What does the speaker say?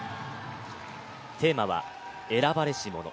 テーマは選ばれし者。